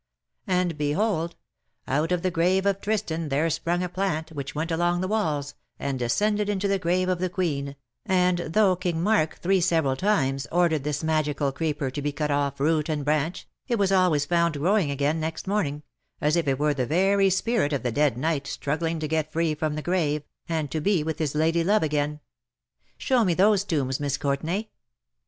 And_, behold ! out of the grave of Tristan there sprung a plant which went along the walls,, and descended into the grave of the Queen, and though King Marc three several times ordered this magical creeper to be cut off root and branch, it was always found growing again next morning, as if it were the very spirit of the dead knight struggling to get free from the grave, and to be with his lady love again ! Show me those tombs, Miss Courtenay.'